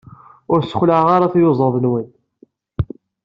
Ur sexlaɛeɣ ara tiyuzaḍ-nwen.